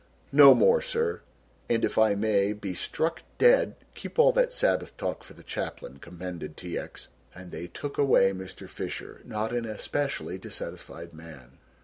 "No more, sir and if I may be struck dead " "Keep all that sabbath talk for the chaplain," commended T. X., and they took away Mr. Fisher, not an especially dissatisfied man.